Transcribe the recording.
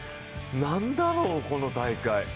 何だろう、この大会。